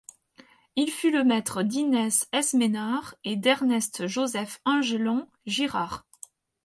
Il fut le maître d’Inès Esménard et d'Ernest-Joseph Angelon Girard.